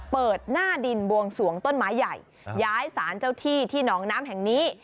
เปิดหน้าดินบวงสวงต้นไม้ใหญ่ย้ายสารเจ้าที่ที่หนองน้ำแห่งนี้